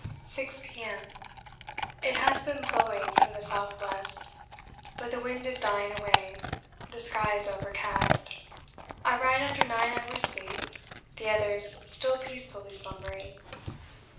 6 P.M. It has been blowing from the S.W., but the wind is dying away the sky is overcast I write after 9 hours' sleep, the others still peacefully slumbering.